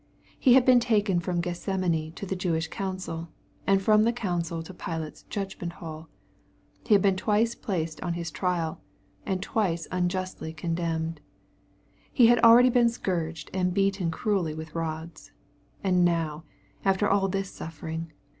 He had been taken from Gethsemane to the Jewish council, and from the council to Pilate's judgment hall. He had. been twice placed on his trial, and twice unjustly con demned. He had been already scourged and beaten cruelly with rods. And now, after all this suffering